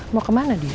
mau kemana dia